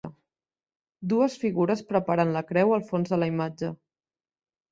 Dues figures preparen la Creu al fons de la imatge.